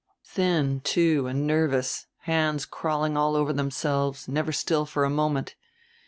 Thin, too, and nervous; hands crawling all over themselves, never still for a moment.